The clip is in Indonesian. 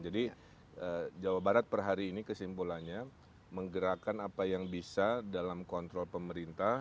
jadi jawa barat per hari ini kesimpulannya menggerakkan apa yang bisa dalam kontrol pemerintah